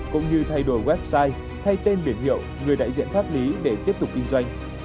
cũng như thay đổi website thay tên biển hiệu người đại diện pháp lý để tiếp tục kinh doanh